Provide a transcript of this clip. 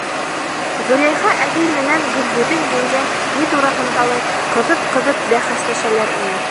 Зөләйха әбей менән Гөлйөҙөм еңгә ни тураһындалыр ҡыҙып-ҡыҙып бәхәсләшәләр ине.